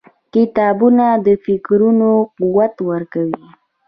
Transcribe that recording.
• کتابونه د فکرونو قوت ورکوي.